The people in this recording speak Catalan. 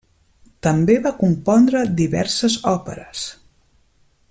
També va compondre diverses òperes.